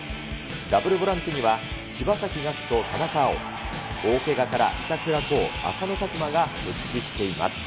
ダブルボランチには、柴崎岳と田中碧、大けがから板倉滉、浅野拓磨が復帰しています。